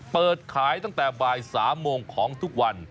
เปิดขายตั้งแต่บ่าย๓โมงของทุกวัน